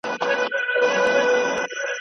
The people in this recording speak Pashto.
د شهید قبر یې هېر دی له جنډیو